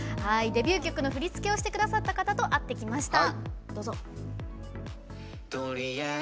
デビュー曲の振り付けをしてくださった方と会ってきました。